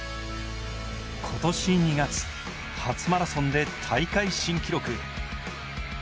今年２月、初マラソンで大会新記録。